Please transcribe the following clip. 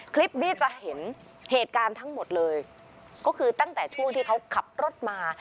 คลิปนี้จะเห็นเหตุการณ์ทั้งหมดเลยก็คือตั้งแต่ช่วงที่เขาขับรถมา